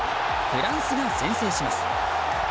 フランスが先制します。